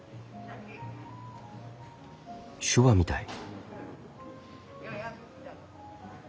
手話みたい。